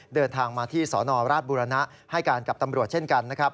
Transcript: เดินทางมาที่สนราชบุรณะให้การกับตำรวจเช่นกันนะครับ